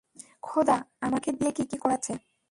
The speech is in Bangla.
খোদা, আমাকে দিয়ে কি কি করাচ্ছে!